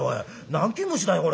南京虫だよこれ。